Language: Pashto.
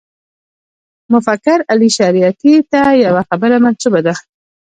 مفکر علي شریعیتي ته یوه خبره منسوبه ده.